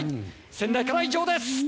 仙台から以上です！